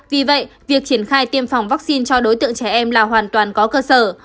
vì vậy việc triển khai tiêm phòng vaccine cho đối tượng trẻ em là hoàn toàn có cơ sở